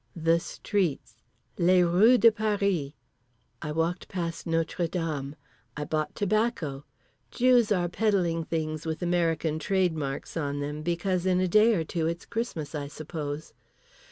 The streets. Les rues de Paris. I walked past Notre Dame. I bought tobacco. Jews are peddling things with American trade marks on them, because in a day or two it's Christmas I suppose.